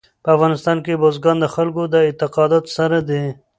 په افغانستان کې بزګان د خلکو له اعتقاداتو سره دي.